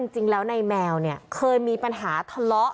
จริงแล้วในแมวเนี่ยเคยมีปัญหาทะเลาะ